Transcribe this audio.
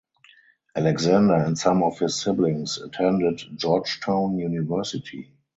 Alexander and some of his siblings attended Georgetown University.